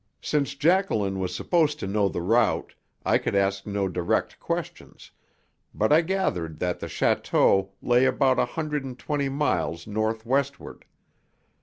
Since Jacqueline was supposed to know the route, I could ask no direct questions; but I gathered that the château lay about a hundred and twenty miles north westward.